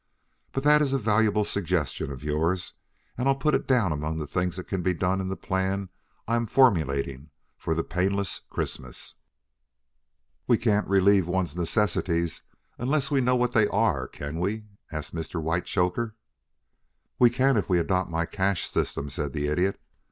But that is a valuable suggestion of yours and I'll put it down among the things that can be done in the plan I am formulating for the painless Christmas." "We can't relieve one another's necessities unless we know what they are, can we?" asked Mr. Whitechoker. "We can if we adopt my cash system," said the Idiot.